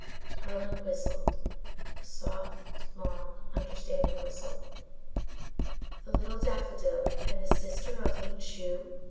Tarling whistled, a soft, long, understanding whistle. The Little Daffodil! And the sister of Ling Chu!